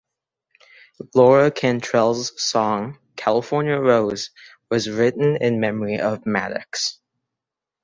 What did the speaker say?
Laura Cantrell's song "California Rose" was written in memory of Maddox.